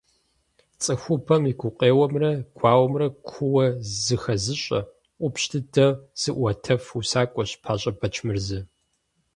ЦӀыхубэм и гукъеуэмрэ гуауэмрэ куууэ зыхэзыщӀэ, ӀупщӀ дыдэу зыӀуэтэф усакӀуэщ ПащӀэ Бэчмырзэ.